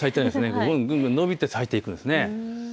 ぐんぐん咲いていくんですね。